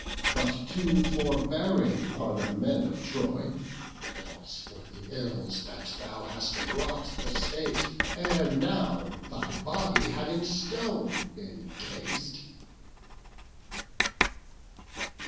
But too forbearing are the men of Troy; Else for the ills that thou hast wrought the state, Ere now thy body had in stone been cas'd."